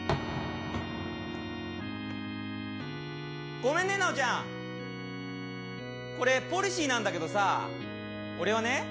「ごめんね直ちゃんこれポリシーなんだけどさ俺はね